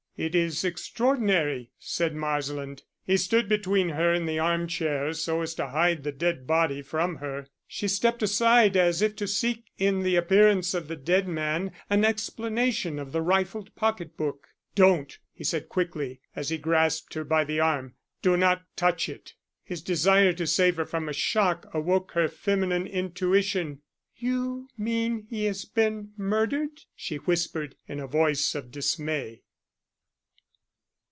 "It is extraordinary," said Marsland. He stood between her and the arm chair so as to hide the dead body from her. She stepped aside as if to seek in the appearance of the dead man an explanation of the rifled pocket book. "Don't!" he said quickly, as he grasped her by the arm. "Do not touch it." His desire to save her from a shock awoke her feminine intuition. "You mean he has been murdered?" she whispered, in a voice of dismay.